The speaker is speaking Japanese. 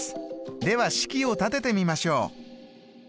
では式を立ててみましょう。